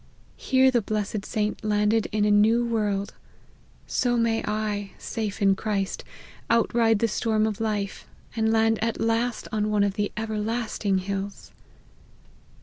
Here the blessed saint landed in a new world ; so may I, safe in Christ, outride the storm of life, and land at last on one of the everlasting hills